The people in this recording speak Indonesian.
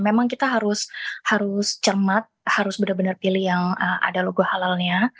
memang kita harus cermat harus benar benar pilih yang ada logo halalnya